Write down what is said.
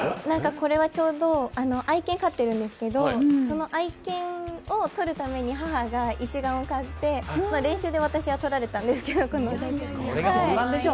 これは愛犬を飼っているんですけど、その愛犬を撮るために母が一眼を買って練習で私は撮られたんですけれども。